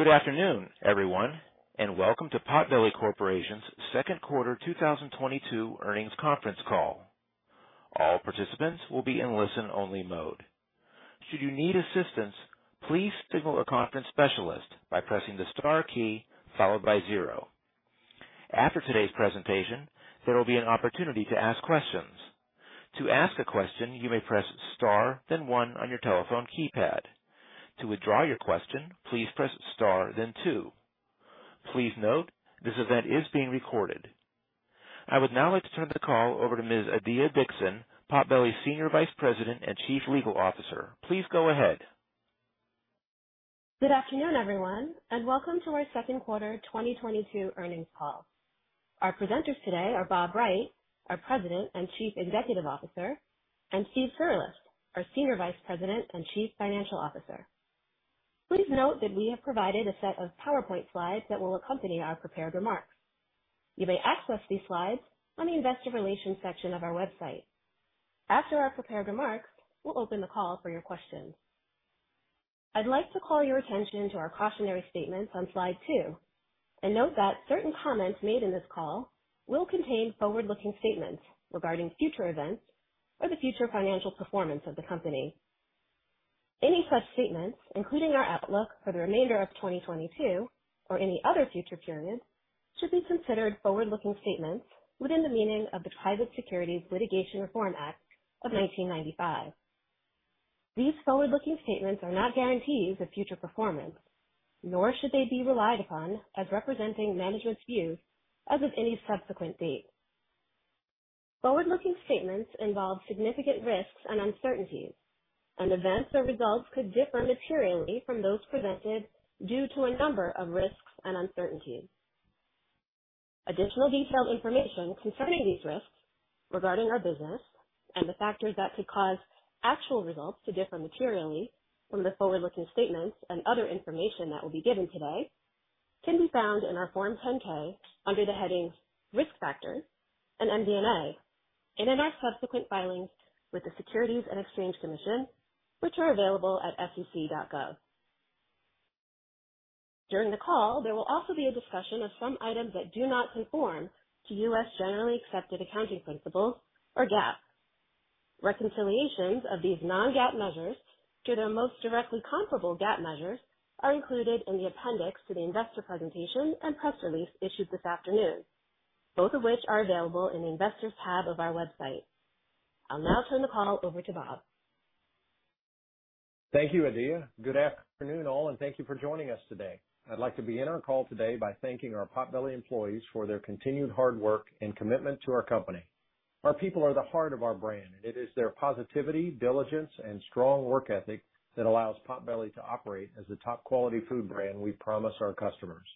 Good afternoon, everyone, and welcome to Potbelly Corporation's Second Quarter 2022 Earnings Conference Call. All participants will be in listen-only mode. Should you need assistance, please signal a conference specialist by pressing the star key followed by zero. After today's presentation, there will be an opportunity to ask questions. To ask a question, you may press star, then one on your telephone keypad. To withdraw your question, please press star then two. Please note, this event is being recorded. I would now like to turn the call over to Ms. Adiya Dixon, Potbelly's Senior Vice President and Chief Legal Officer. Please go ahead. Good afternoon, everyone, and welcome to our second quarter 2022 earnings call. Our presenters today are Bob Wright, our President and Chief Executive Officer, and Steve Cirulis, our Senior Vice President and Chief Financial Officer. Please note that we have provided a set of PowerPoint slides that will accompany our prepared remarks. You may access these slides on the investor relations section of our website. After our prepared remarks, we'll open the call for your questions. I'd like to call your attention to our cautionary statements on slide two and note that certain comments made in this call will contain forward-looking statements regarding future events or the future financial performance of the company. Any such statements, including our outlook for the remainder of 2022 or any other future period, should be considered forward-looking statements within the meaning of the Private Securities Litigation Reform Act of 1995. These forward-looking statements are not guarantees of future performance, nor should they be relied upon as representing management's views as of any subsequent date. Forward-looking statements involve significant risks and uncertainties, and events or results could differ materially from those presented due to a number of risks and uncertainties. Additional detailed information concerning these risks regarding our business and the factors that could cause actual results to differ materially from the forward-looking statements and other information that will be given today can be found in our Form 10-K under the headings Risk Factors and MD&A, and in our subsequent filings with the Securities and Exchange Commission, which are available at sec.gov. During the call, there will also be a discussion of some items that do not conform to U.S. generally accepted accounting principles, or GAAP. Reconciliations of these non-GAAP measures to their most directly comparable GAAP measures are included in the appendix to the investor presentation and press release issued this afternoon, both of which are available in the Investors tab of our website. I'll now turn the call over to Bob. Thank you, Adiya. Good afternoon, all, and thank you for joining us today. I'd like to begin our call today by thanking our Potbelly employees for their continued hard work and commitment to our company. Our people are the heart of our brand, and it is their positivity, diligence, and strong work ethic that allows Potbelly to operate as the top quality food brand we promise our customers.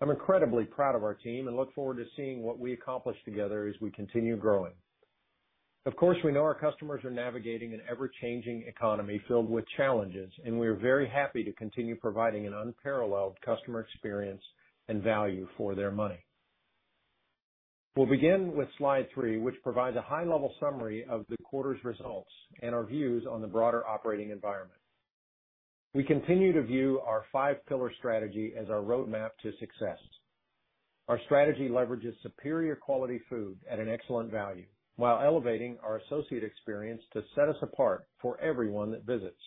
I'm incredibly proud of our team and look forward to seeing what we accomplish together as we continue growing. Of course, we know our customers are navigating an ever-changing economy filled with challenges, and we are very happy to continue providing an unparalleled customer experience and value for their money. We'll begin with slide three, which provides a high level summary of the quarter's results and our views on the broader operating environment. We continue to view our five pillar strategy as our roadmap to success. Our strategy leverages superior quality food at an excellent value while elevating our associate experience to set us apart for everyone that visits,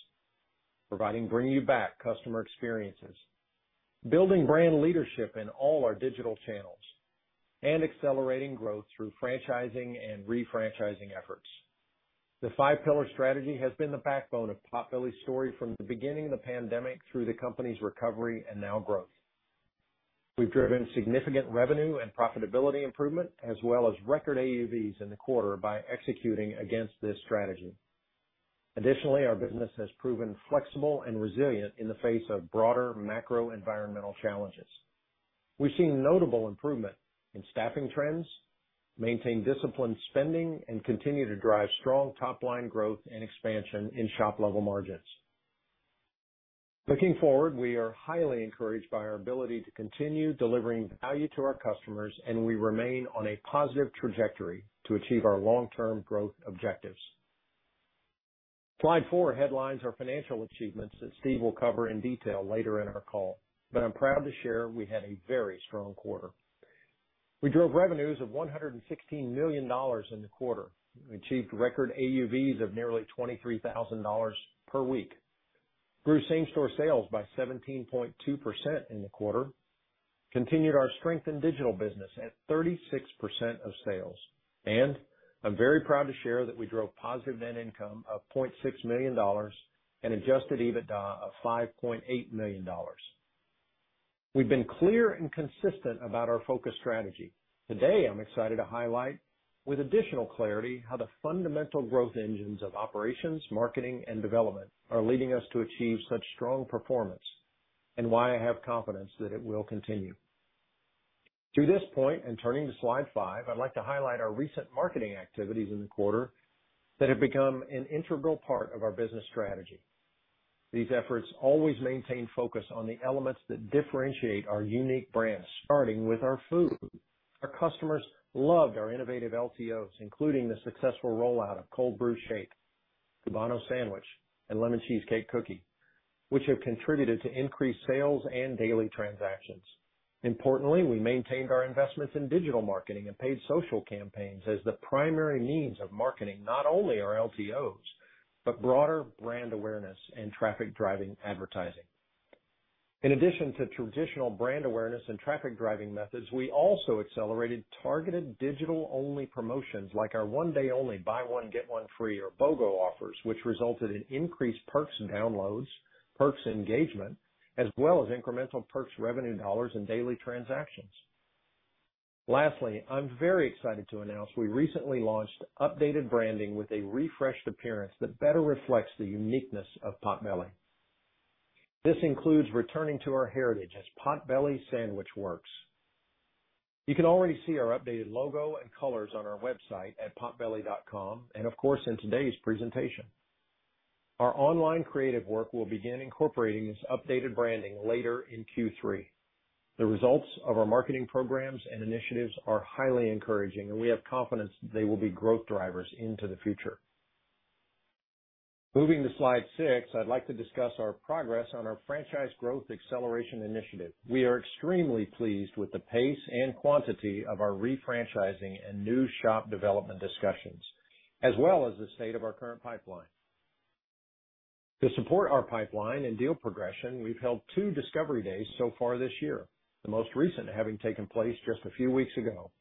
providing bring you back customer experiences, building brand leadership in all our digital channels, and accelerating growth through franchising and re-franchising efforts. The five pillar strategy has been the backbone of Potbelly's story from the beginning of the pandemic through the company's recovery and now growth. We've driven significant revenue and profitability improvement as well as record AUVs in the quarter by executing against this strategy. Additionally, our business has proven flexible and resilient in the face of broader macro environmental challenges. We've seen notable improvement in staffing trends, maintained disciplined spending, and continue to drive strong top-line growth and expansion in shop level margins. Looking forward, we are highly encouraged by our ability to continue delivering value to our customers, and we remain on a positive trajectory to achieve our long-term growth objectives. Slide four highlights our financial achievements that Steve will cover in detail later in our call. I'm proud to share we had a very strong quarter. We drove revenues of $116 million in the quarter. We achieved record AUVs of nearly $23,000 per week. Grew same-store sales by 17.2% in the quarter. Continued our strength in digital business at 36% of sales. I'm very proud to share that we drove positive net income of $0.6 million and adjusted EBITDA of $5.8 million. We've been clear and consistent about our focus strategy. Today, I'm excited to highlight with additional clarity how the fundamental growth engines of operations, marketing, and development are leading us to achieve such strong performance and why I have confidence that it will continue. Through this point and turning to slide five, I'd like to highlight our recent marketing activities in the quarter that have become an integral part of our business strategy. These efforts always maintain focus on the elements that differentiate our unique brand, starting with our food. Our customers loved our innovative LTOs, including the successful rollout of Cold Brew Shake, Cubano sandwich, and Lemon Cheesecake Cookie, which have contributed to increased sales and daily transactions. Importantly, we maintained our investments in digital marketing and paid social campaigns as the primary means of marketing not only our LTOs, but broader brand awareness and traffic-driving advertising. In addition to traditional brand awareness and traffic-driving methods, we also accelerated targeted digital-only promotions like our one-day only buy one get one free, or BOGO offers, which resulted in increased perks and downloads, perks engagement, as well as incremental perks revenue dollars and daily transactions. Lastly, I'm very excited to announce we recently launched updated branding with a refreshed appearance that better reflects the uniqueness of Potbelly. This includes returning to our heritage as Potbelly Sandwich Works. You can already see our updated logo and colors on our website at potbelly.com, and of course, in today's presentation. Our online creative work will begin incorporating this updated branding later in Q3. The results of our marketing programs and initiatives are highly encouraging, and we have confidence they will be growth drivers into the future. Moving to slide six, I'd like to discuss our progress on our franchise growth acceleration initiative. We are extremely pleased with the pace and quantity of our re-franchising and new shop development discussions, as well as the state of our current pipeline. To support our pipeline and deal progression, we've held two discovery days so far this year, the most recent having taken place just a few weeks ago.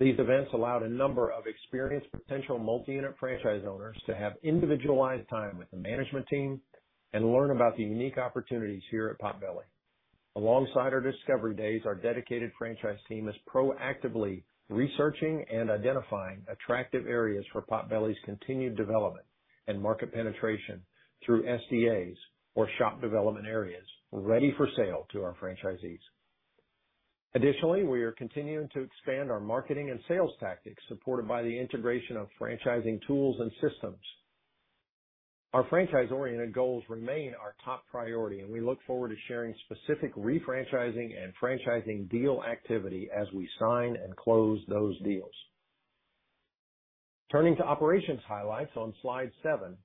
These events allowed a number of experienced potential multi-unit franchise owners to have individualized time with the management team and learn about the unique opportunities here at Potbelly. Alongside our discovery days, our dedicated franchise team is proactively researching and identifying attractive areas for Potbelly's continued development and market penetration through SDAs or shop development areas ready for sale to our franchisees. Additionally, we are continuing to expand our marketing and sales tactics supported by the integration of franchising tools and systems. Our franchise-oriented goals remain our top priority, and we look forward to sharing specific re-franchising and franchising deal activity as we sign and close those deals. Turning to operations highlights on slide seven.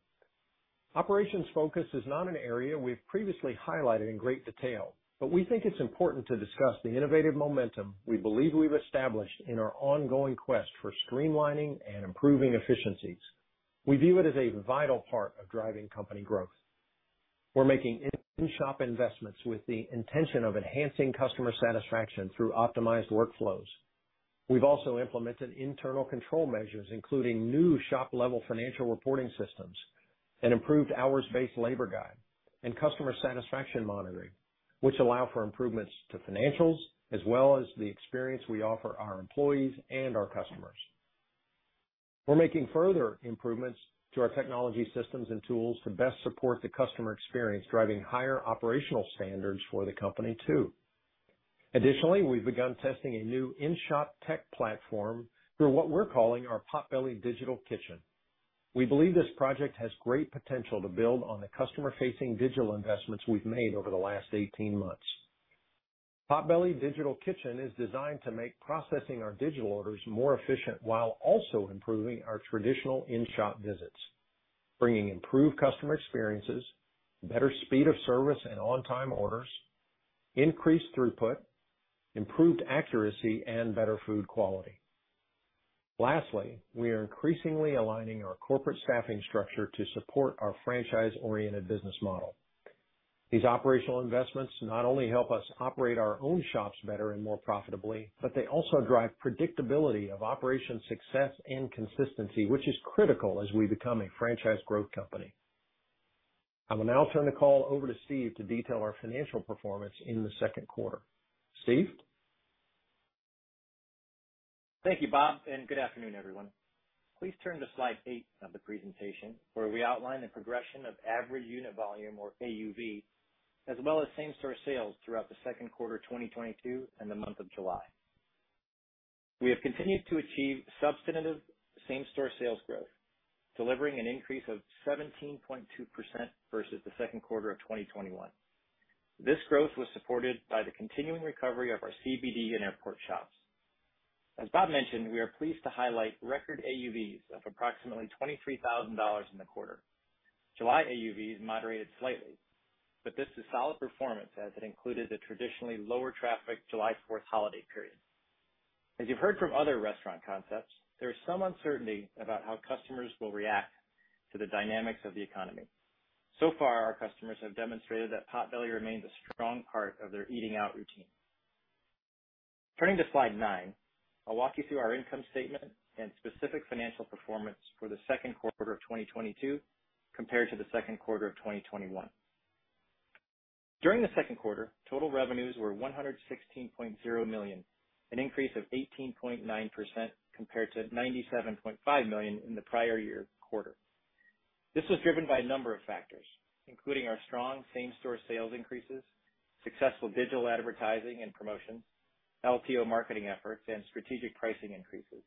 Operations focus is not an area we've previously highlighted in great detail, but we think it's important to discuss the innovative momentum we believe we've established in our ongoing quest for streamlining and improving efficiencies. We view it as a vital part of driving company growth. We're making in-shop investments with the intention of enhancing customer satisfaction through optimized workflows. We've also implemented internal control measures, including new shop-level financial reporting systems, an improved hours-based labor guide, and customer satisfaction monitoring, which allow for improvements to financials as well as the experience we offer our employees and our customers. We're making further improvements to our technology systems and tools to best support the customer experience, driving higher operational standards for the company too. Additionally, we've begun testing a new in-shop tech platform through what we're calling our Potbelly Digital Kitchen. We believe this project has great potential to build on the customer-facing digital investments we've made over the last 18 months. Potbelly Digital Kitchen is designed to make processing our digital orders more efficient while also improving our traditional in-shop visits, bringing improved customer experiences, better speed of service and on-time orders, increased throughput, improved accuracy, and better food quality. Lastly, we are increasingly aligning our corporate staffing structure to support our franchise-oriented business model. These operational investments not only help us operate our own shops better and more profitably, but they also drive predictability of operation success and consistency, which is critical as we become a franchise growth company. I will now turn the call over to Steve to detail our financial performance in the second quarter. Steve? Thank you, Bob, and good afternoon, everyone. Please turn to slide eight of the presentation where we outline the progression of average unit volume or AUV, as well as same-store sales throughout the second quarter of 2022 and the month of July. We have continued to achieve substantive same-store sales growth, delivering an increase of 17.2% versus the second quarter of 2021. This growth was supported by the continuing recovery of our CBD and airport shops. As Bob mentioned, we are pleased to highlight record AUVs of approximately $23,000 in the quarter. July AUVs moderated slightly, but this is solid performance as it included the traditionally lower traffic July Fourth holiday period. As you've heard from other restaurant concepts, there is some uncertainty about how customers will react to the dynamics of the economy. So far, our customers have demonstrated that Potbelly remains a strong part of their eating out routine. Turning to slide nine, I'll walk you through our income statement and specific financial performance for the second quarter of 2022 compared to the second quarter of 2021. During the second quarter, total revenues were $116.0 million, an increase of 18.9% compared to $97.5 million in the prior year quarter. This was driven by a number of factors, including our strong same-store sales increases, successful digital advertising and promotions, LTO marketing efforts, and strategic pricing increases.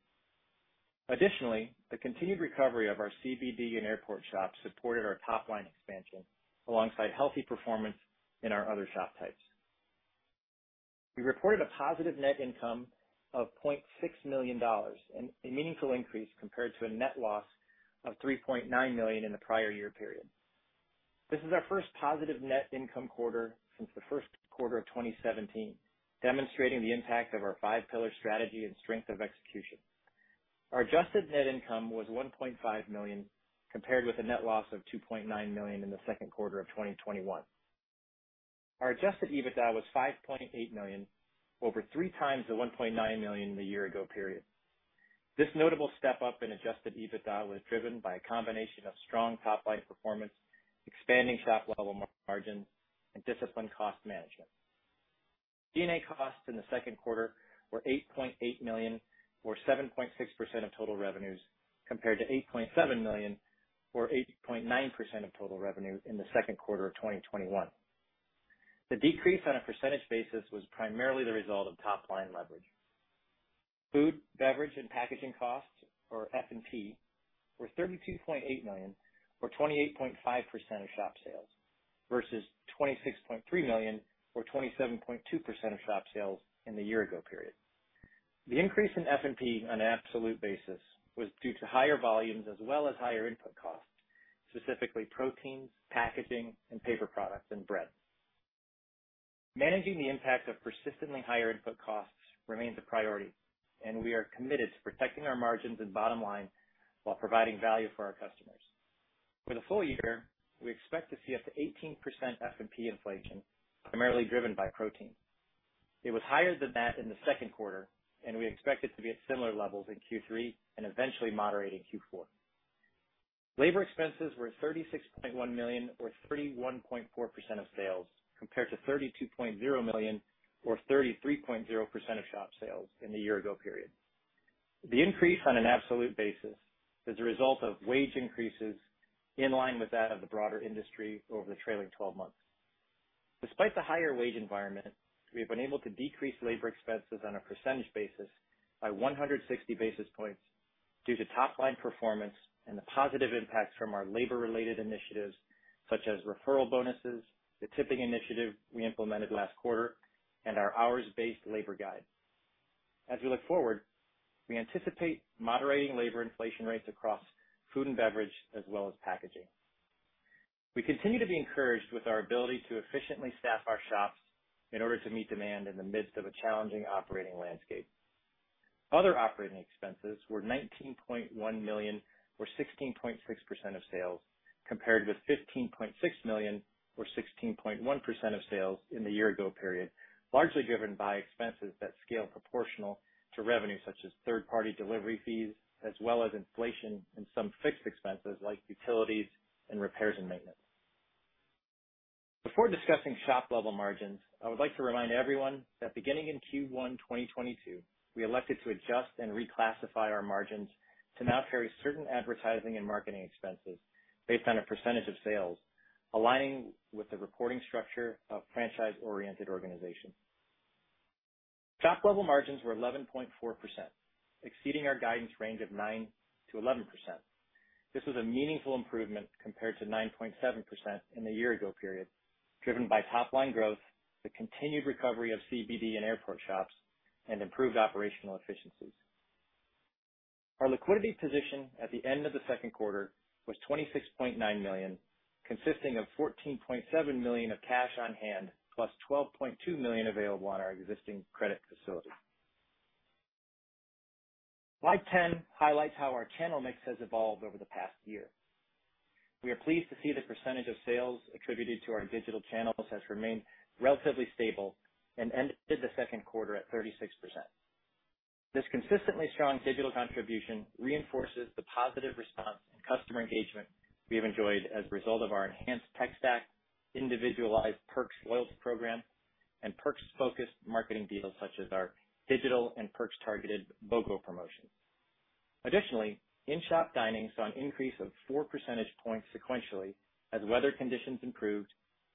Additionally, the continued recovery of our CBD and airport shops supported our top line expansion alongside healthy performance in our other shop types. We reported a positive net income of $0.6 million, a meaningful increase compared to a net loss of $3.9 million in the prior year period. This is our first positive net income quarter since the first quarter of 2017, demonstrating the impact of our five pillar strategy and strength of execution. Our adjusted net income was $1.5 million, compared with a net loss of $2.9 million in the second quarter of 2021. Our adjusted EBITDA was $5.8 million, over 3x the $1.9 million in the year ago period. This notable step up in adjusted EBITDA was driven by a combination of strong top line performance, expanding shop level margins, and disciplined cost management. D&A costs in the second quarter were $8.8 million, or 7.6% of total revenues, compared to $8.7 million, or 8.9% of total revenue in the second quarter of 2021. The decrease on a percentage basis was primarily the result of top line leverage. Food, beverage, and packaging costs, or F&P, were $32.8 million, or 28.5% of shop sales versus $26.3 million, or 27.2% of shop sales in the year ago period. The increase in F&P on an absolute basis was due to higher volumes as well as higher input costs, specifically proteins, packaging and paper products and bread. Managing the impact of persistently higher input costs remains a priority, and we are committed to protecting our margins and bottom line while providing value for our customers. For the full year, we expect to see up to 18% F&P inflation, primarily driven by protein. It was higher than that in the second quarter, and we expect it to be at similar levels in Q3 and eventually moderate in Q4. Labor expenses were $36.1 million or 31.4% of sales, compared to $32.0 million or 33.0% of shop sales in the year ago period. The increase on an absolute basis is a result of wage increases in line with that of the broader industry over the trailing twelve months. Despite the higher wage environment, we have been able to decrease labor expenses on a percentage basis by 160 basis points due to top line performance and the positive impacts from our labor-related initiatives such as referral bonuses, the tipping initiative we implemented last quarter, and our hours-based labor guide. As we look forward, we anticipate moderating labor inflation rates across food and beverage as well as packaging. We continue to be encouraged with our ability to efficiently staff our shops in order to meet demand in the midst of a challenging operating landscape. Other operating expenses were $19.1 million or 16.6% of sales, compared with $15.6 million or 16.1% of sales in the year ago period, largely driven by expenses that scale proportional to revenue such as third-party delivery fees as well as inflation and some fixed expenses like utilities and repairs and maintenance. Before discussing shop level margins, I would like to remind everyone that beginning in Q1 2022, we elected to adjust and reclassify our margins to now carry certain advertising and marketing expenses based on a percentage of sales aligning with the reporting structure of franchise-oriented organizations. Shop level margins were 11.4%, exceeding our guidance range of 9%-11%. This was a meaningful improvement compared to 9.7% in the year ago period, driven by top line growth, the continued recovery of CBD and airport shops, and improved operational efficiencies. Our liquidity position at the end of the second quarter was $26.9 million, consisting of $14.7 million of cash on hand plus $12.2 million available on our existing credit facility. Slide 10 highlights how our channel mix has evolved over the past year. We are pleased to see the percentage of sales attributed to our digital channels has remained relatively stable and ended the second quarter at 36%. This consistently strong digital contribution reinforces the positive response and customer engagement we have enjoyed as a result of our enhanced tech stack, individualized Perks loyalty program, and Perks focused marketing deals such as our digital and Perks targeted BOGO promotions. Additionally, in-shop dining saw an increase of 4 percentage points sequentially as weather conditions improved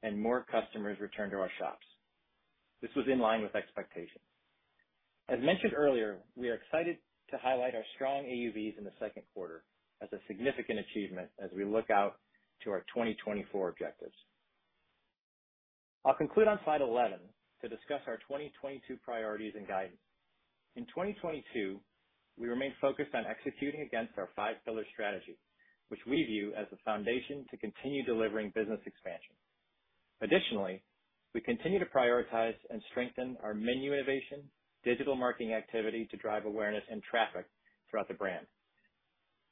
and more customers returned to our shops. This was in line with expectations. As mentioned earlier, we are excited to highlight our strong AUVs in the second quarter as a significant achievement as we look out to our 2024 objectives. I'll conclude on slide 11 to discuss our 2022 priorities and guidance. In 2022, we remain focused on executing against our five pillar strategy, which we view as the foundation to continue delivering business expansion. Additionally, we continue to prioritize and strengthen our menu innovation, digital marketing activity to drive awareness and traffic throughout the brand.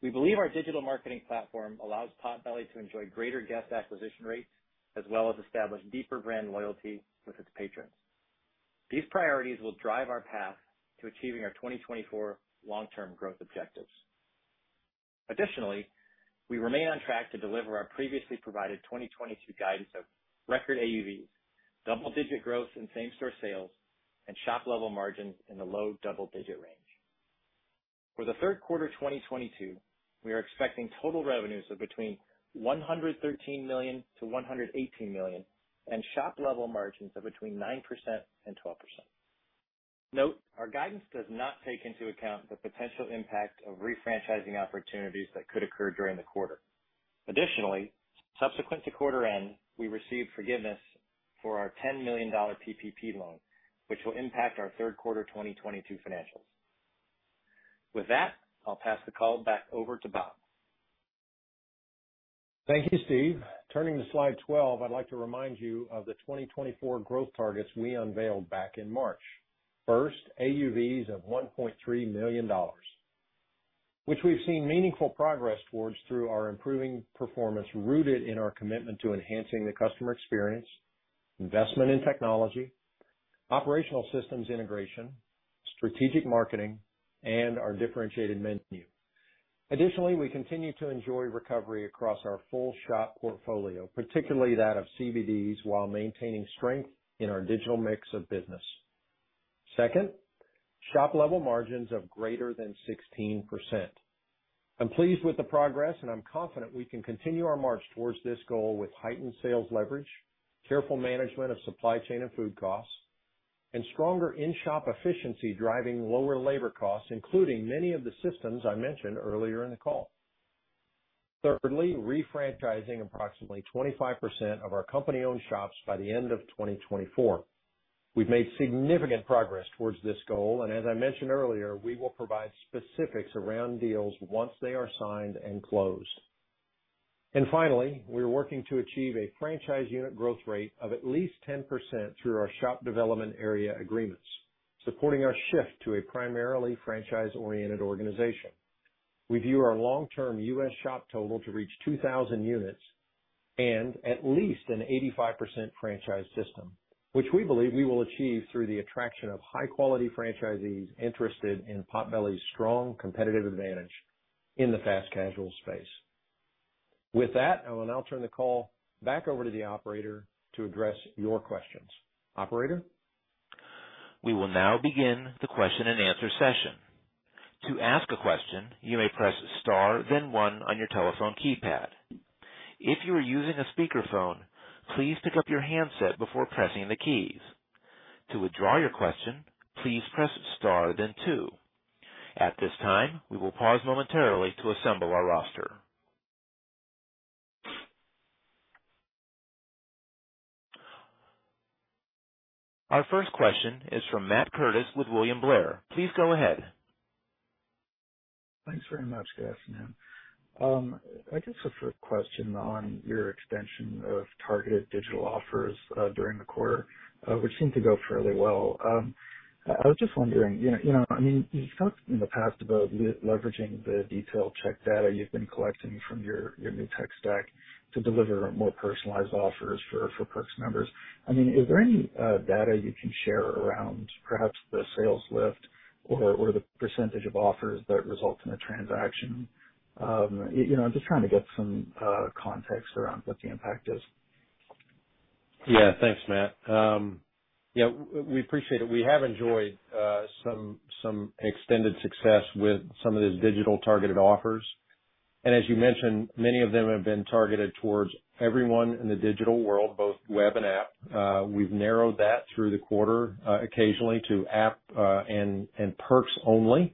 We believe our digital marketing platform allows Potbelly to enjoy greater guest acquisition rates as well as establish deeper brand loyalty with its patrons. These priorities will drive our path to achieving our 2024 long-term growth objectives. Additionally, we remain on track to deliver our previously provided 2022 guidance of record AUVs, double-digit growth in same-store sales, and shop level margins in the low double-digit range. For the third quarter 2022, we are expecting total revenues of between $113 million-$118 million and shop level margins of between 9%-12%. Note, our guidance does not take into account the potential impact of refranchising opportunities that could occur during the quarter. Additionally, subsequent to quarter end, we received forgiveness for our $10 million PPP loan, which will impact our third quarter 2022 financials. With that, I'll pass the call back over to Bob. Thank you, Steve. Turning to slide 12, I'd like to remind you of the 2024 growth targets we unveiled back in March. First, AUVs of $1.3 million, which we've seen meaningful progress towards through our improving performance, rooted in our commitment to enhancing the customer experience, investment in technology, operational systems integration, strategic marketing and our differentiated menu. Additionally, we continue to enjoy recovery across our full shop portfolio, particularly that of CBDs, while maintaining strength in our digital mix of business. Second, shop level margins of greater than 16%. I'm pleased with the progress, and I'm confident we can continue our march towards this goal with heightened sales leverage, careful management of supply chain and food costs, and stronger in-shop efficiency, driving lower labor costs, including many of the systems I mentioned earlier in the call. Thirdly, refranchising approximately 25% of our company-owned shops by the end of 2024. We've made significant progress towards this goal, and as I mentioned earlier, we will provide specifics around deals once they are signed and closed. Finally, we are working to achieve a franchise unit growth rate of at least 10% through our Shop Development Area Agreements, supporting our shift to a primarily franchise-oriented organization. We view our long term U.S. shop total to reach 2,000 units and at least an 85% franchise system, which we believe we will achieve through the attraction of high quality franchisees interested in Potbelly's strong competitive advantage in the fast casual space. With that, I will now turn the call back over to the operator to address your questions. Operator? We will now begin the question and answer session. To ask a question, you may press star then one on your telephone keypad. If you are using a speakerphone, please pick up your handset before pressing the keys. To withdraw your question, please press star then two. At this time, we will pause momentarily to assemble our roster. Our first question is from Matt Curtis with William Blair. Please go ahead. Thanks very much. Good afternoon. I guess the first question on your extension of targeted digital offers during the quarter, which seemed to go fairly well. I was just wondering, you know, I mean, you've talked in the past about leveraging the detailed check data you've been collecting from your new tech stack to deliver more personalized offers for Perks members. I mean, is there any data you can share around perhaps the sales lift or the percentage of offers that result in a transaction? You know, I'm just trying to get some context around what the impact is. Yeah. Thanks, Matt. Yeah, we appreciate it. We have enjoyed some extended success with some of these digital targeted offers. As you mentioned, many of them have been targeted towards everyone in the digital world, both web and app. We've narrowed that through the quarter, occasionally to app, and Perks only.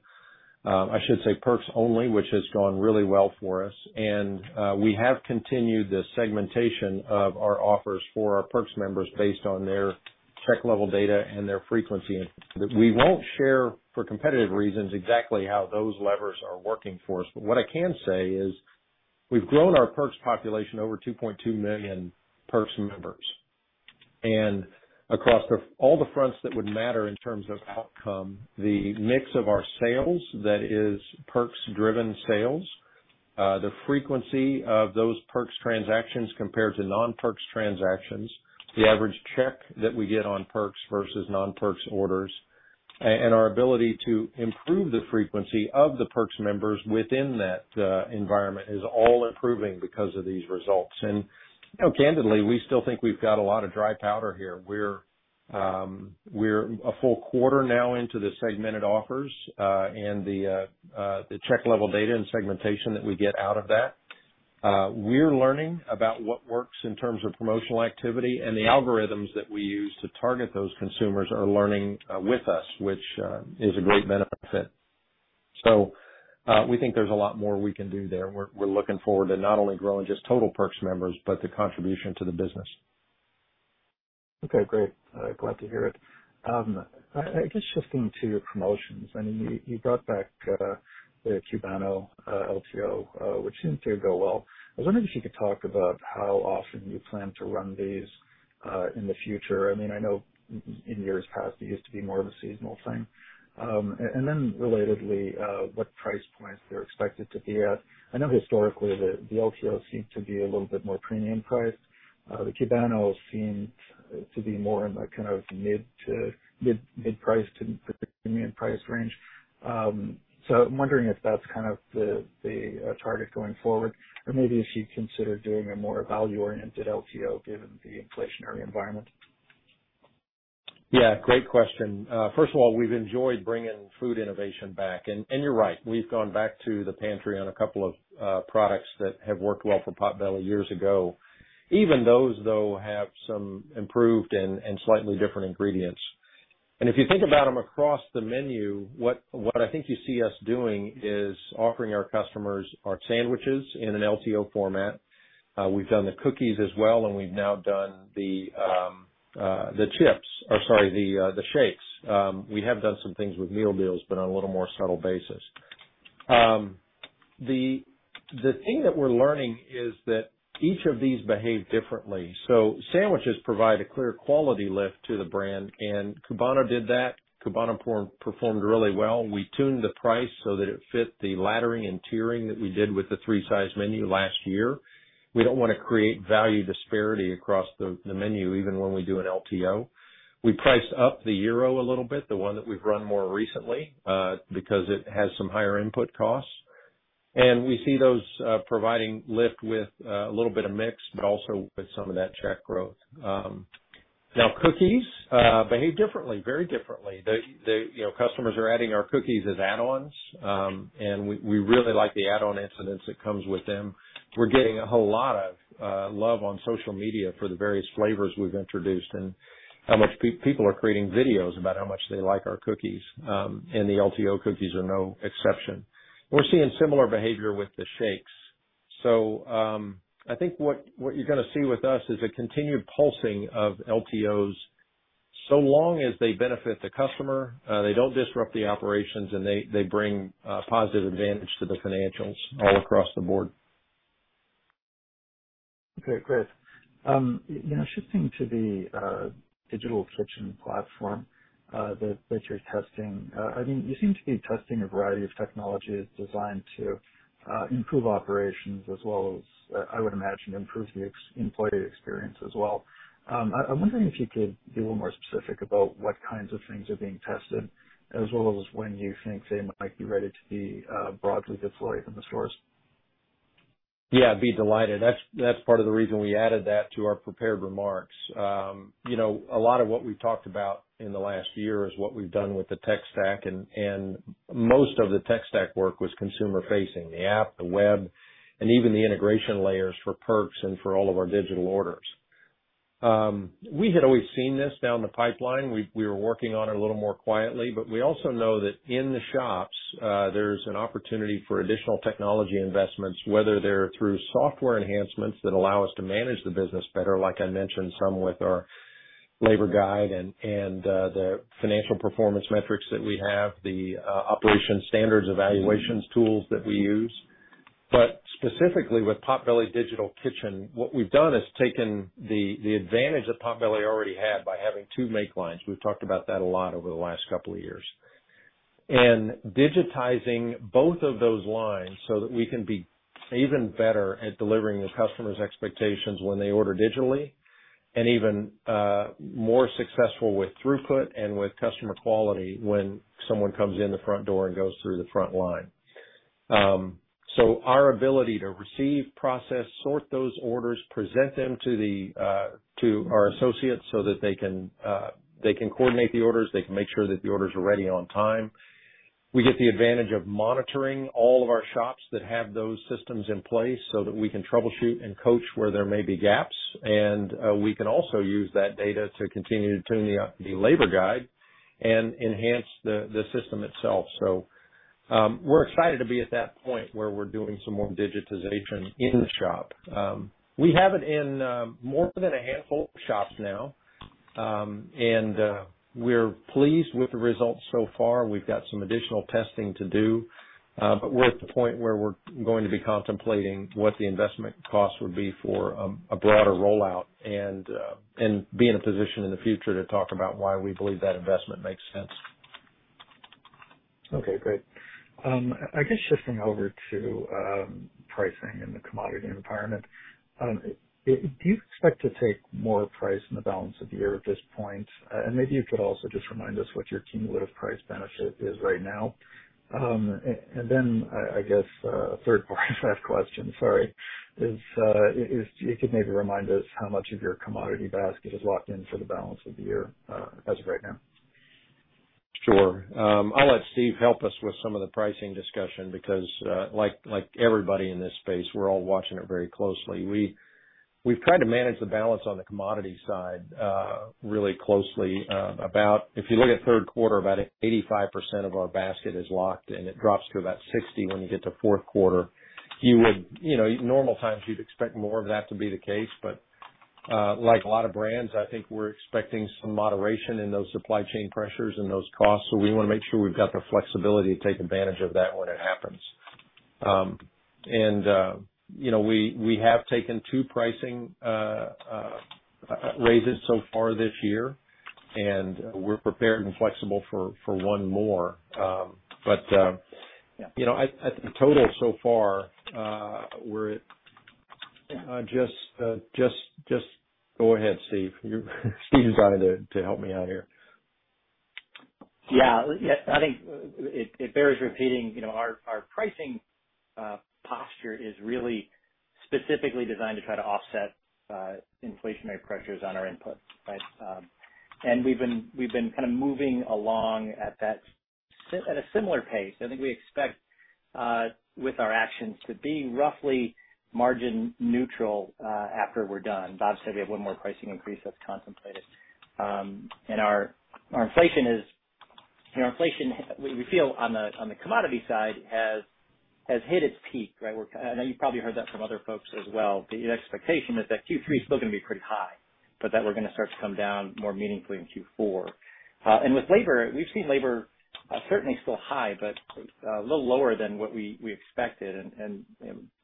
I should say Perks only, which has gone really well for us. We have continued the segmentation of our offers for our Perks members based on their check level data and their frequency. We won't share, for competitive reasons, exactly how those levers are working for us, but what I can say is we've grown our Perks population over 2.2 million Perks members. Across the all the fronts that would matter in terms of outcome, the mix of our sales, that is Perks driven sales, the frequency of those Perks transactions compared to non-Perks transactions, the average check that we get on Perks versus non-Perks orders, and our ability to improve the frequency of the Perks members within that environment is all improving because of these results. You know, candidly, we still think we've got a lot of dry powder here. We're a full quarter now into the segmented offers, and the check level data and segmentation that we get out of that. We're learning about what works in terms of promotional activity and the algorithms that we use to target those consumers are learning with us, which is a great benefit. We think there's a lot more we can do there. We're looking forward to not only growing just total Perks members, but the contribution to the business. Okay, great. Glad to hear it. I guess shifting to your promotions, I mean, you brought back the Cubano LTO, which seemed to go well. I was wondering if you could talk about how often you plan to run these in the future. I mean, I know in years past, it used to be more of a seasonal thing. Then relatedly, what price points they're expected to be at. I know historically the LTO seemed to be a little bit more premium priced. The Cubano seemed to be more in the kind of mid-priced to the premium price range. I'm wondering if that's kind of the target going forward, or maybe if you'd consider doing a more value-oriented LTO given the inflationary environment. Yeah, great question. First of all, we've enjoyed bringing food innovation back. You're right, we've gone back to the pantry on a couple of products that have worked well for Potbelly years ago. Even those, though, have some improved and slightly different ingredients. If you think about them across the menu, what I think you see us doing is offering our customers our sandwiches in an LTO format. We've done the cookies as well, and we've now done the shakes. We have done some things with meal deals, but on a little more subtle basis. The thing that we're learning is that each of these behave differently. Sandwiches provide a clear quality lift to the brand, and Cubano did that. Cubano performed really well. We tuned the price so that it fit the laddering and tiering that we did with the three-size menu last year. We don't wanna create value disparity across the menu, even when we do an LTO. We priced up the Gyro a little bit, the one that we've run more recently, because it has some higher input costs. We see those providing lift with a little bit of mix, but also with some of that check growth. Now, cookies behave differently, very differently. They, you know, customers are adding our cookies as add-ons. We really like the add-on incidence that comes with them. We're getting a whole lot of love on social media for the various flavors we've introduced and how much people are creating videos about how much they like our cookies. The LTO cookies are no exception. We're seeing similar behavior with the shakes. I think what you're gonna see with us is a continued pulsing of LTOs, so long as they benefit the customer, they don't disrupt the operations, and they bring positive advantage to the financials all across the board. Okay, great. You know, shifting to the digital kitchen platform that you're testing. I mean, you seem to be testing a variety of technologies designed to improve operations as well as, I would imagine, improve the employee experience as well. I'm wondering if you could be a little more specific about what kinds of things are being tested as well as when you think they might be ready to be broadly deployed in the stores. Yeah, I'd be delighted. That's part of the reason we added that to our prepared remarks. You know, a lot of what we've talked about in the last year is what we've done with the tech stack and most of the tech stack work was consumer-facing, the app, the web, and even the integration layers for perks and for all of our digital orders. We had always seen this down the pipeline. We were working on it a little more quietly, but we also know that in the shops, there's an opportunity for additional technology investments, whether they're through software enhancements that allow us to manage the business better, like I mentioned, some with our labor guide and the financial performance metrics that we have, the operations standards evaluations tools that we use. Specifically with Potbelly Digital Kitchen, what we've done is taken the advantage that Potbelly already had by having two make lines. We've talked about that a lot over the last couple of years. Digitizing both of those lines so that we can be even better at delivering the customer's expectations when they order digitally and even more successful with throughput and with customer quality when someone comes in the front door and goes through the front line. So our ability to receive, process, sort those orders, present them to our associates so that they can coordinate the orders, they can make sure that the orders are ready on time. We get the advantage of monitoring all of our shops that have those systems in place, so that we can troubleshoot and coach where there may be gaps. We can also use that data to continue to tune the labor guide and enhance the system itself. We're excited to be at that point where we're doing some more digitization in the shop. We have it in more than a handful of shops now. We're pleased with the results so far. We've got some additional testing to do, but we're at the point where we're going to be contemplating what the investment cost would be for a broader rollout and be in a position in the future to talk about why we believe that investment makes sense. Okay, great. I guess shifting over to pricing in the commodity environment, do you expect to take more price in the balance of the year at this point? Maybe you could also just remind us what your cumulative price benefit is right now. I guess a third part of that question, sorry, is you could maybe remind us how much of your commodity basket is locked in for the balance of the year as of right now. Sure. I'll let Steve help us with some of the pricing discussion because, like, everybody in this space, we're all watching it very closely. We've tried to manage the balance on the commodity side, really closely. If you look at third quarter, about 85% of our basket is locked, and it drops to about 60% when you get to fourth quarter. You know, normal times you'd expect more of that to be the case, but, like a lot of brands, I think we're expecting some moderation in those supply chain pressures and those costs. We wanna make sure we've got the flexibility to take advantage of that when it happens. You know, we have taken two pricing raises so far this year, and we're prepared and flexible for one more. You know, I think total so far, we're at just. Go ahead, Steve. You see, Steve is wanting to help me out here. Yeah. I think it bears repeating. You know, our pricing posture is really specifically designed to try to offset inflationary pressures on our input, right? We've been kind of moving along at a similar pace. I think we expect with our actions to be roughly margin neutral after we're done. Bob said we have one more pricing increase that's contemplated. Our inflation, we feel on the commodity side has hit its peak, right? I know you probably heard that from other folks as well. The expectation is that Q3 is still gonna be pretty high, but that we're gonna start to come down more meaningfully in Q4. With labor, we've seen labor certainly still high, but a little lower than what we expected.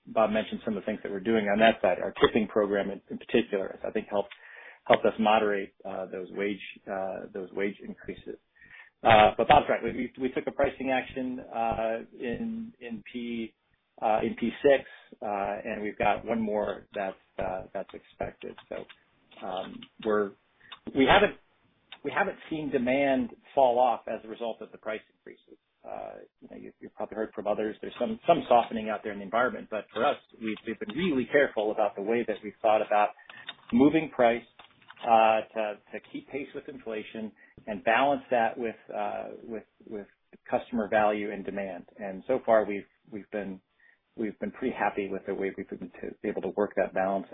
Bob mentioned some of the things that we're doing on that side. Our tipping program in particular has, I think, helped us moderate those wage increases. Bob's right. We took a pricing action in NP6, and we've got one more that's expected. We haven't seen demand fall off as a result of the price increases. You know, you've probably heard from others there's some softening out there in the environment. For us, we've been really careful about the way that we've thought about moving price to keep pace with inflation and balance that with customer value and demand. So far we've been pretty happy with the way we've been able to work that balance.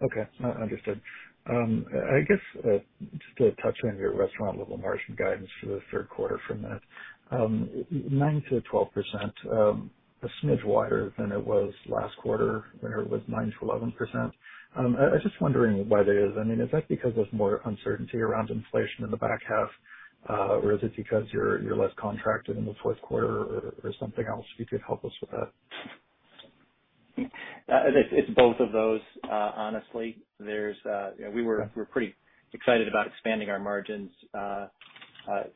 Okay. Understood. I guess just to touch on your restaurant level margin guidance for the third quarter for a minute. 9%-12%, a smidge wider than it was last quarter when it was 9%-11%. I'm just wondering why that is. I mean, is that because there's more uncertainty around inflation in the back half? Or is it because you're less contracted in the fourth quarter or something else? If you could help us with that. It's both of those, honestly. There's you know we're pretty excited about expanding our margins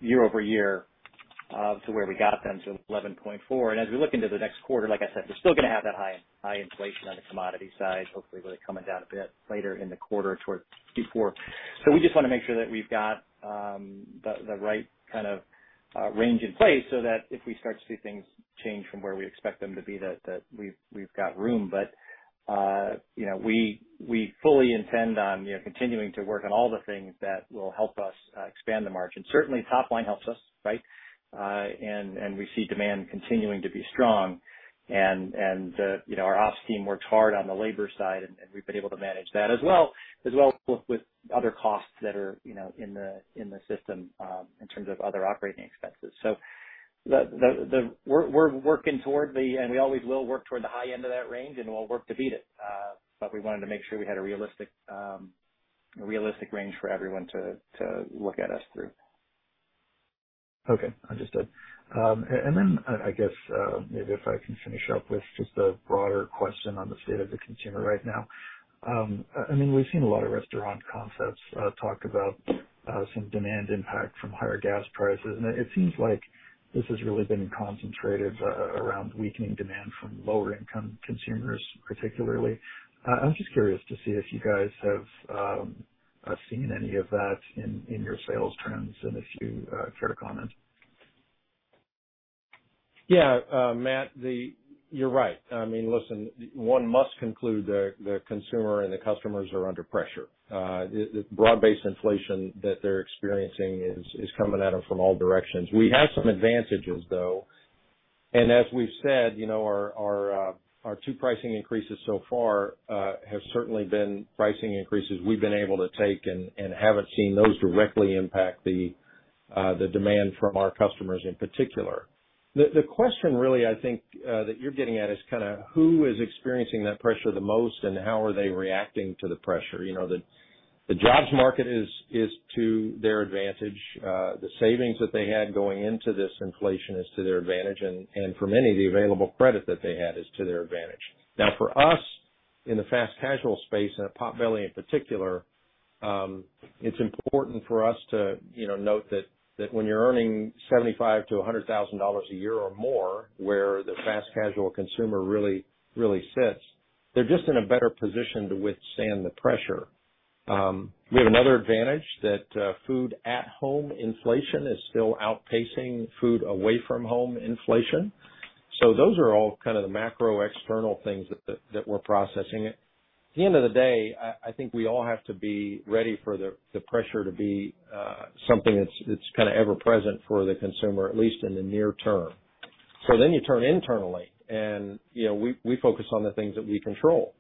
year-over-year to where we got them to 11.4%. As we look into the next quarter, like I said, we're still gonna have that high inflation on the commodity side, hopefully really coming down a bit later in the quarter towards Q4. We just wanna make sure that we've got the right kind of range in place so that if we start to see things change from where we expect them to be, that we've got room. You know, we fully intend on you know continuing to work on all the things that will help us expand the margin. Certainly top line helps us, right? We see demand continuing to be strong. You know, our ops team works hard on the labor side, and we've been able to manage that as well with other costs that are, you know, in the system in terms of other operating expenses. We always will work toward the high end of that range and we'll work to beat it. We wanted to make sure we had a realistic range for everyone to look at us through. Okay. Understood. I guess maybe if I can finish up with just a broader question on the state of the consumer right now. I mean, we've seen a lot of restaurant concepts talk about some demand impact from higher gas prices. It seems like this has really been concentrated around weakening demand from lower income consumers, particularly. I was just curious to see if you guys have seen any of that in your sales trends and if you'd care to comment. Yeah. Matt, you're right. I mean, listen, one must conclude the consumer and the customers are under pressure. The broad-based inflation that they're experiencing is coming at them from all directions. We have some advantages, though. As we've said, you know, our two pricing increases so far have certainly been pricing increases we've been able to take and haven't seen those directly impact the demand from our customers in particular. The question really I think that you're getting at is kinda who is experiencing that pressure the most and how are they reacting to the pressure? You know, the jobs market is to their advantage. The savings that they had going into this inflation is to their advantage. For many, the available credit that they had is to their advantage. Now, for us, in the fast casual space, and at Potbelly in particular, it's important for us to note that when you're earning $75,000-$100,000 a year or more, where the fast casual consumer really sits, they're just in a better position to withstand the pressure. We have another advantage that food at home inflation is still outpacing food away from home inflation. Those are all kind of the macro external things that we're processing. At the end of the day, I think we all have to be ready for the pressure to be something that's kinda ever present for the consumer, at least in the near term. You turn internally and, you know, we focus on the things that we control.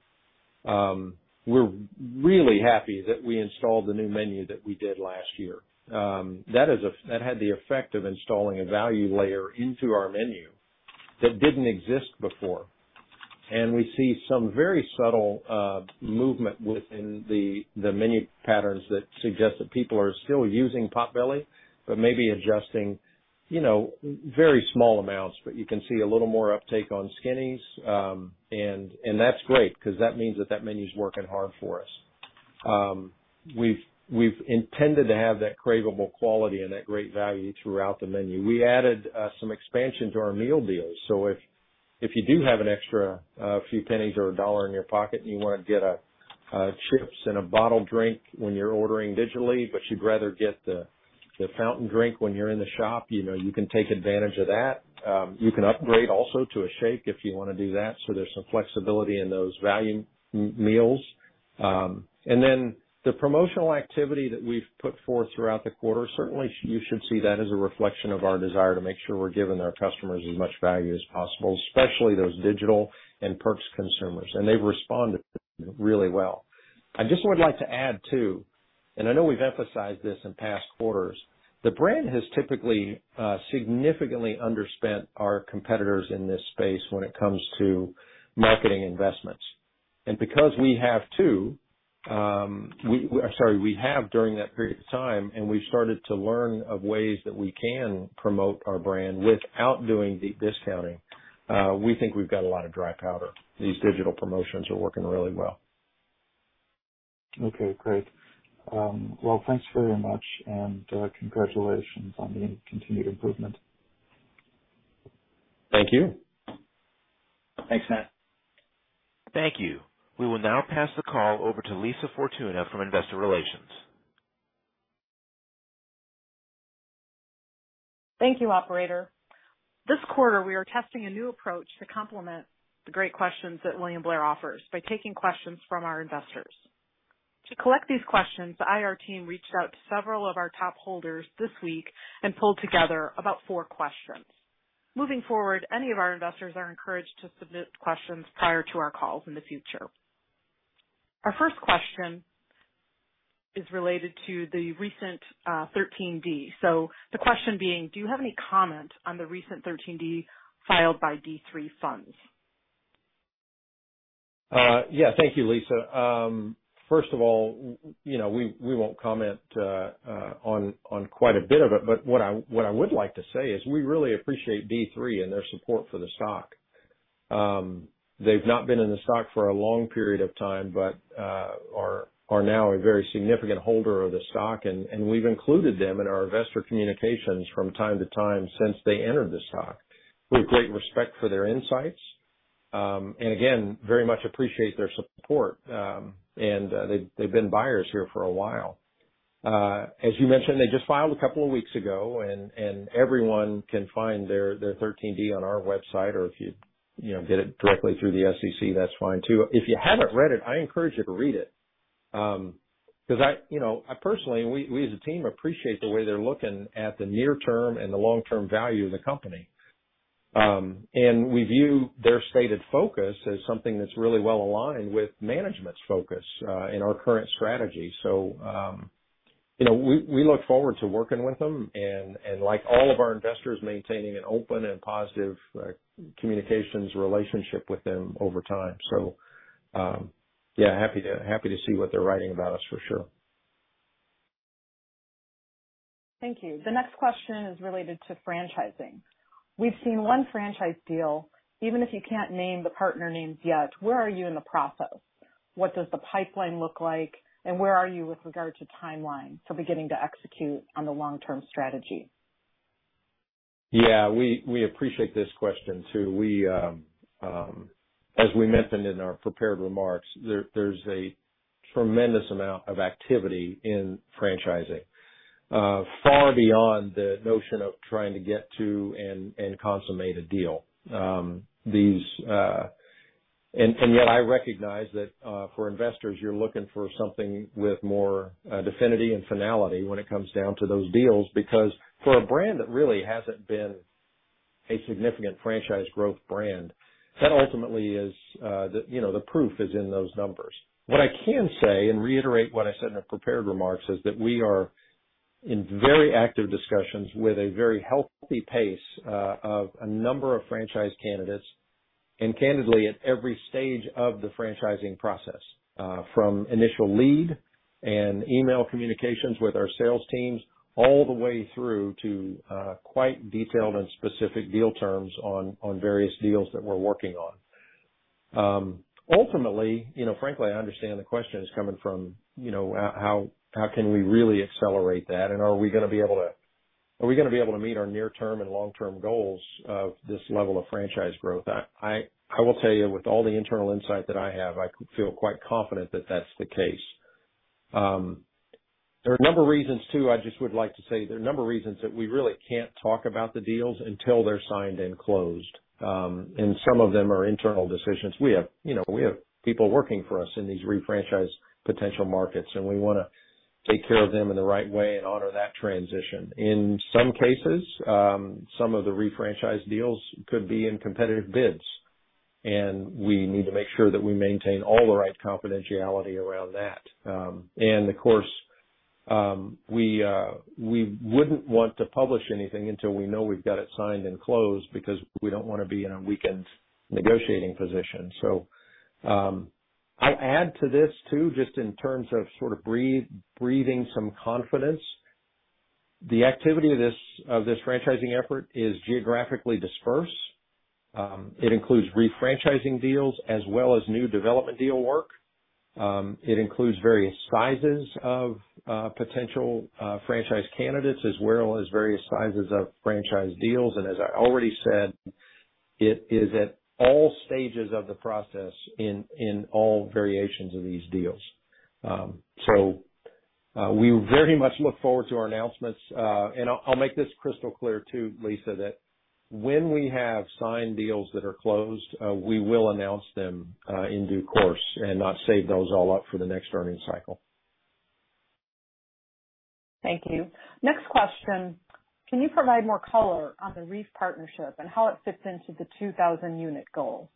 We're really happy that we installed the new menu that we did last year. That had the effect of installing a value layer into our menu that didn't exist before. We see some very subtle movement within the menu patterns that suggest that people are still using Potbelly, but maybe adjusting, you know, very small amounts. You can see a little more uptake on Skinnys. That's great because that means that that menu's working hard for us. We've intended to have that craveable quality and that great value throughout the menu. We added some expansion to our meal deals. If you do have an extra few pennies or a dollar in your pocket and you wanna get a chips and a bottled drink when you're ordering digitally, but you'd rather get the fountain drink when you're in the shop, you know, you can take advantage of that. You can upgrade also to a shake if you wanna do that. There's some flexibility in those value meals. The promotional activity that we've put forth throughout the quarter, certainly you should see that as a reflection of our desire to make sure we're giving our customers as much value as possible, especially those digital and perks consumers, and they've responded really well. I just would like to add, too, and I know we've emphasized this in past quarters. The brand has typically significantly underspent our competitors in this space when it comes to marketing investments. Because we have during that period of time, and we've started to learn of ways that we can promote our brand without doing the discounting, we think we've got a lot of dry powder. These digital promotions are working really well. Okay, great. Well, thanks very much, and congratulations on the continued improvement. Thank you. Thanks, Matt. Thank you. We will now pass the call over to Lisa Fortuna from Investor Relations. Thank you, operator. This quarter, we are testing a new approach to complement the great questions that William Blair offers by taking questions from our investors. To collect these questions, the IR team reached out to several of our top holders this week and pulled together about four questions. Moving forward, any of our investors are encouraged to submit questions prior to our calls in the future. Our first question is related to the recent 13D. So the question being: Do you have any comment on the recent 13D filed by D3 Funds? Yeah. Thank you, Lisa. First of all, you know, we won't comment on quite a bit of it, but what I would like to say is we really appreciate D3 and their support for the stock. They've not been in the stock for a long period of time but are now a very significant holder of the stock. We've included them in our investor communications from time to time since they entered the stock. We have great respect for their insights. Again, very much appreciate their support. They've been buyers here for a while. As you mentioned, they just filed a couple of weeks ago and everyone can find their 13D on our website or if you know, get it directly through the SEC, that's fine too. If you haven't read it, I encourage you to read it, because, you know, we as a team appreciate the way they're looking at the near term and the long-term value of the company. We view their stated focus as something that's really well aligned with management's focus in our current strategy. You know, we look forward to working with them and like all of our investors, maintaining an open and positive communications relationship with them over time. Yeah, happy to see what they're writing about us for sure. Thank you. The next question is related to franchising. We've seen one franchise deal. Even if you can't name the partner names yet, where are you in the process? What does the pipeline look like and where are you with regard to timeline for beginning to execute on the long-term strategy? Yeah, we appreciate this question too. As we mentioned in our prepared remarks, there's a tremendous amount of activity in franchising far beyond the notion of trying to get to and consummate a deal. Yet I recognize that for investors, you're looking for something with more definiteness and finality when it comes down to those deals, because for a brand that really hasn't been a significant franchise growth brand, that ultimately is, you know, the proof is in those numbers. What I can say, and reiterate what I said in the prepared remarks, is that we are in very active discussions with a very healthy pace of a number of franchise candidates, and candidly, at every stage of the franchising process, from initial lead and email communications with our sales teams, all the way through to quite detailed and specific deal terms on various deals that we're working on. Ultimately, you know, frankly, I understand the question is coming from, you know, how can we really accelerate that and are we gonna be able to meet our near-term and long-term goals of this level of franchise growth? I will tell you with all the internal insight that I have, I feel quite confident that that's the case. There are a number of reasons too. I just would like to say there are a number of reasons that we really can't talk about the deals until they're signed and closed. Some of them are internal decisions. We have, you know, people working for us in these refranchise potential markets, and we wanna take care of them in the right way and honor that transition. In some cases, some of the refranchise deals could be in competitive bids, and we need to make sure that we maintain all the right confidentiality around that. Of course, we wouldn't want to publish anything until we know we've got it signed and closed because we don't wanna be in a weakened negotiating position. I add to this too, just in terms of breathing some confidence. The activity of this franchising effort is geographically dispersed. It includes refranchising deals as well as new development deal work. It includes various sizes of potential franchise candidates, as well as various sizes of franchise deals. As I already said, it is at all stages of the process in all variations of these deals. We very much look forward to our announcements. I'll make this crystal clear too, Lisa, that when we have signed deals that are closed, we will announce them in due course and not save those all up for the next earnings cycle. Thank you. Next question. Can you provide more color on the REEF partnership and how it fits into the 2,000 unit goal?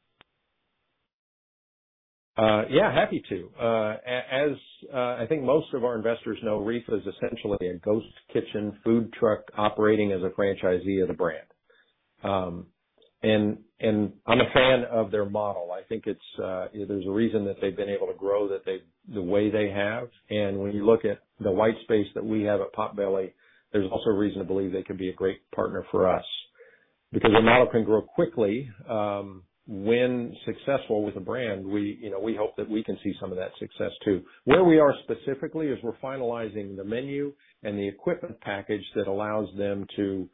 Yeah, happy to. I think most of our investors know, REEF is essentially a ghost kitchen food truck operating as a franchisee of the brand. I'm a fan of their model. I think it's, you know, there's a reason that they've been able to grow the way they have. When you look at the white space that we have at Potbelly, there's also reason to believe they could be a great partner for us. Because their model can grow quickly, when successful with a brand, we, you know, we hope that we can see some of that success too. Where we are specifically is we're finalizing the menu and the equipment package that allows them to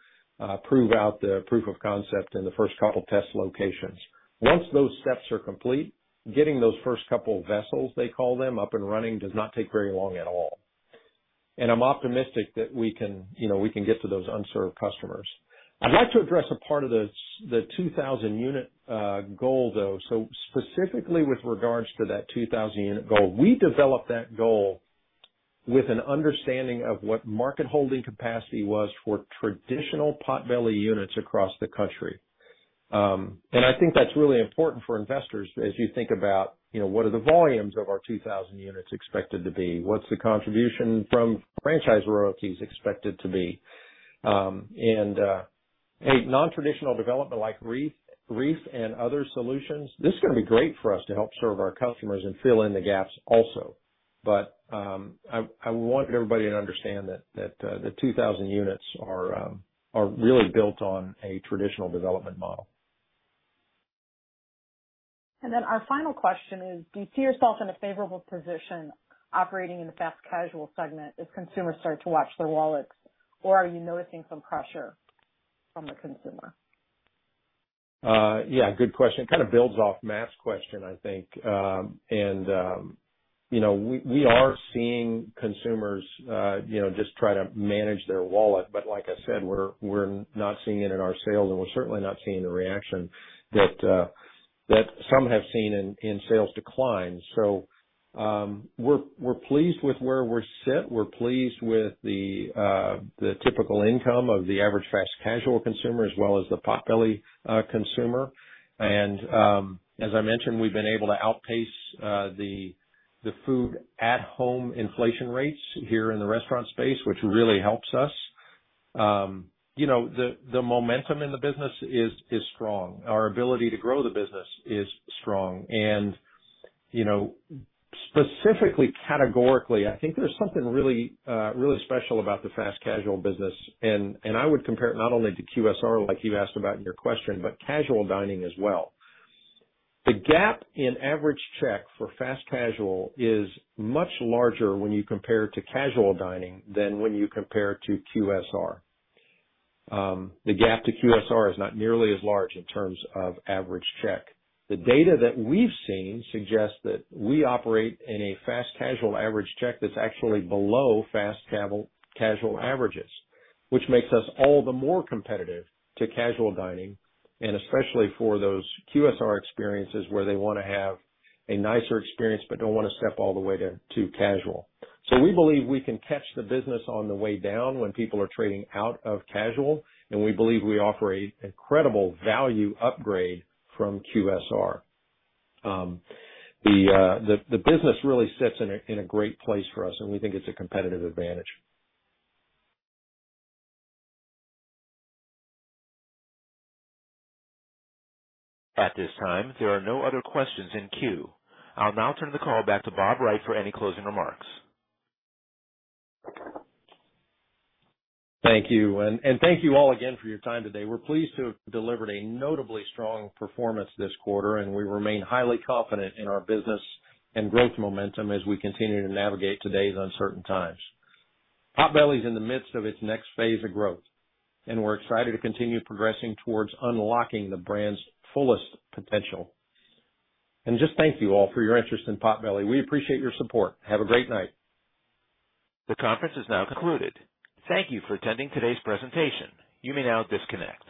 prove out the proof of concept in the first couple test locations. Once those steps are complete, getting those first couple vessels, they call them, up and running, does not take very long at all. I'm optimistic that we can, you know, we can get to those unserved customers. I'd like to address a part of the 2,000-unit goal, though. Specifically with regards to that 2,000-unit goal, we developed that goal with an understanding of what market holding capacity was for traditional Potbelly units across the country. I think that's really important for investors as you think about, you know, what are the volumes of our 2,000 units expected to be? What's the contribution from franchise royalties expected to be? A non-traditional development like REEF and other solutions, this is gonna be great for us to help serve our customers and fill in the gaps also. I want everybody to understand that the 2,000 units are really built on a traditional development model. our final question is, do you see yourself in a favorable position operating in the fast casual segment as consumers start to watch their wallets, or are you noticing some pressure from the consumer? Yeah, good question. It kind of builds off Matt's question, I think. You know, we are seeing consumers, you know, just try to manage their wallet. Like I said, we're not seeing it in our sales, and we're certainly not seeing the reaction that some have seen in sales declines. We're pleased with where we're sitting. We're pleased with the typical income of the average fast casual consumer, as well as the Potbelly consumer. As I mentioned, we've been able to outpace the food at home inflation rates here in the restaurant space, which really helps us. You know, the momentum in the business is strong. Our ability to grow the business is strong. You know, specifically categorically, I think there's something really special about the fast casual business and I would compare it not only to QSR, like you asked about in your question, but casual dining as well. The gap in average check for fast casual is much larger when you compare to casual dining than when you compare to QSR. The gap to QSR is not nearly as large in terms of average check. The data that we've seen suggests that we operate in a fast casual average check that's actually below fast casual averages, which makes us all the more competitive to casual dining, and especially for those QSR experiences where they wanna have a nicer experience, but don't wanna step all the way to casual. We believe we can catch the business on the way down when people are trading out of casual, and we believe we offer an incredible value upgrade from QSR. The business really sits in a great place for us and we think it's a competitive advantage. At this time, there are no other questions in queue. I'll now turn the call back to Bob Wright for any closing remarks. Thank you. Thank you all again for your time today. We're pleased to have delivered a notably strong performance this quarter, and we remain highly confident in our business and growth momentum as we continue to navigate today's uncertain times. Potbelly's in the midst of its next phase of growth, and we're excited to continue progressing towards unlocking the brand's fullest potential. Just thank you all for your interest in Potbelly. We appreciate your support. Have a great night. The conference is now concluded. Thank you for attending today's presentation. You may now disconnect.